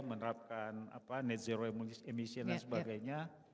menerapkan net zero emy emission dan sebagainya